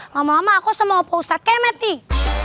lama lama aku semua opo ustadz kemet nih